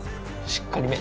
しっかりめ。